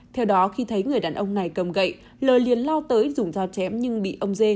theo đó khi thấy người đàn ông này cầm gậy lời liền lao tới dùng dao chém nhưng bị ông dê